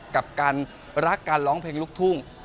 กับการรักการร้องเพลงลูกทุ่ง